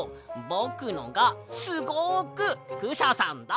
ぼくのがすごくクシャさんだ！